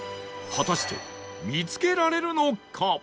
果たして見つけられるのか？